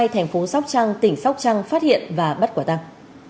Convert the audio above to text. thành phố sóc trăng tỉnh sóc trăng phát hiện và bắt quả tăng